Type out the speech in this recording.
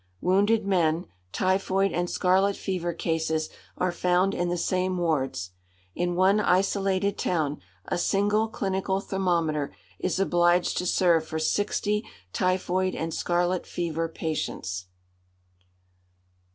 Wounded men, typhoid and scarlet fever cases are found in the same wards. In one isolated town a single clinical thermometer is obliged to serve for sixty typhoid and scarlet fever patients.